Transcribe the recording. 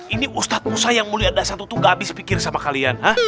ini ustadz musa yang mulia dasar itu tuh gak habis pikir sama kalian hah